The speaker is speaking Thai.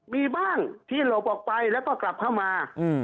มีบ้างที่หลบออกไปแล้วก็กลับเข้ามา